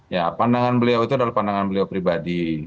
ya pandangan beliau itu adalah pandangan beliau pribadi